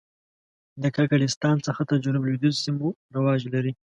د کاکړستان څخه تر جنوب لوېدیځو سیمو رواج لري.